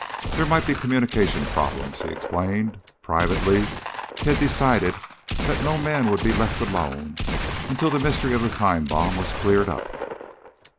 "There might be communication problems," he explained. Privately, he had decided that no man would be left alone until the mystery of the time bomb was cleared up.